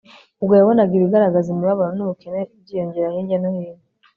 Ubwo yabonaga ibigaragaza imibabaro nubukene byiyongera hirya no hino